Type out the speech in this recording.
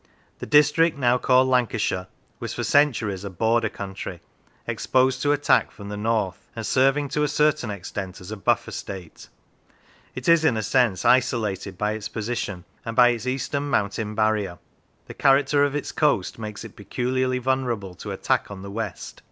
The district now called Lan cashire was for centuries a Border country, exposed to attack from the north, and serving to a certain extent as a buffer state. It is, in a sense, isolated by its position, and by its eastern mountain barrier. The character of its coast makes it peculiarly vulnerable to attack on the west.